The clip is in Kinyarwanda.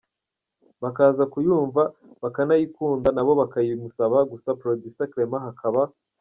bakaza kuyumva bakanayikunda nabo bakayimusaba gusa producer Clement hakaba.